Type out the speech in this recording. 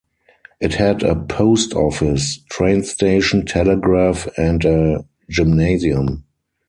It had a post office, train station, telegraph and a gymnasium.